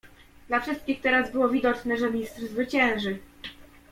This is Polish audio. "Dla wszystkich teraz było widoczne, że Mistrz zwycięży."